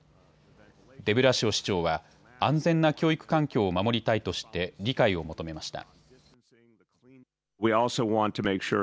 デブラシオ市長は安全な教育環境を守りたいとして理解を求めました。